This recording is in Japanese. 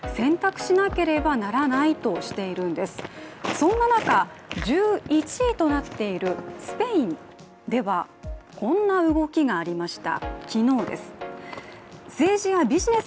そんな中、１１位となっているスペインではこんな動きがありました。